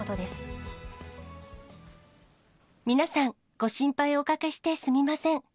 皆さん、ご心配おかけしてすみません。